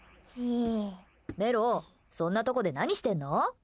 メロ、そんなとこで何してんの？